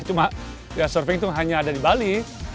cuma ya surfer itu hanya ada di bali